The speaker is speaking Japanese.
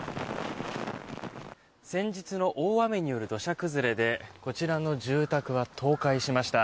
先日の大雨による土砂崩れでこちらの住宅は倒壊しました。